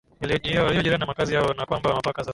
yaliyo jirani na makazi yao na kwamba mpaka sasa